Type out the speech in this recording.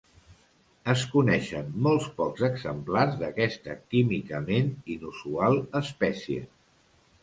Es coneixen molt pocs exemplars d'aquesta químicament inusual espècie.